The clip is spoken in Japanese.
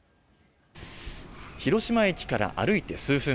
広島駅から歩いて数分。